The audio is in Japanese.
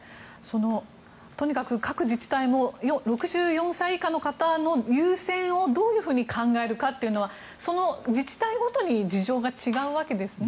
とにかく、各自治体６４歳以下の方の優先をどういうふうに考えるかというのはその自治体ごとに事情が違うわけですね。